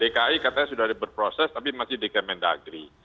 dki katanya sudah berproses tapi masih di kementerian negeri